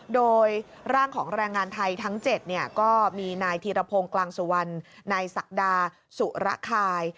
โดยร่างของแรงงานไทยทั้ง๗ก็มีนายธีรพงศ์กลางสุวรรณนายศักดาสุระคาย